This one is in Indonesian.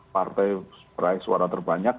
partai berai suara terbanyak